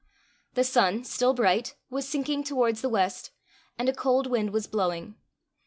The sun, still bright, was sinking towards the west, and a cold wind was blowing.